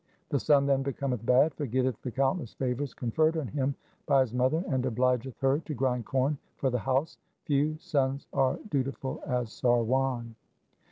The son then becometh bad, forgetteth the countless favours conferred on him by his mother, and obligeth her to grind corn for the house. Few sons are dutiful as Sarwan.